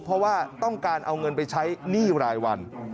เพราะว่าต้องการเอาเงินไปใช้หนี้รายวัน